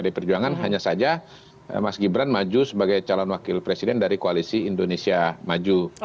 pdi perjuangan hanya saja mas gibran maju sebagai calon wakil presiden dari koalisi indonesia maju